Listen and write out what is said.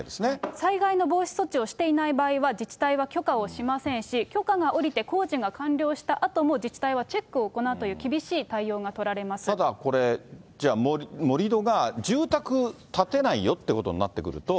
災害の防止措置をしていない場合は、自治体は許可をしませんし、許可が下りて工事が完了したあとも、自治体はチェックを行うといただこれ、じゃあ、盛り土が住宅建てないよっていうことになってくると。